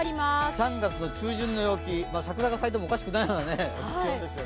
３月の中旬の陽気桜が咲いてもおかしくないような気温ですね。